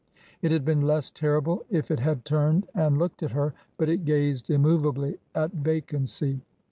It had been less terrible if it had turned and looked at her; but it gazed immovably at vacancy.